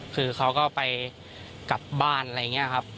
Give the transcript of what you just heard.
คือเขาก็ไปกลับบ้านอะไรอย่างนี้ครับ